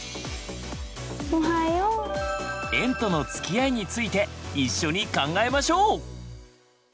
「園とのつきあい」について一緒に考えましょう！